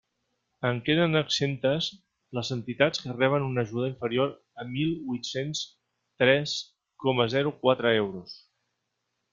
En queden exemptes les entitats que reben una ajuda inferior a mil huit-cents tres coma zero quatre euros.